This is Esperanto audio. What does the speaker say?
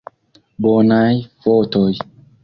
Bonaj fotoj!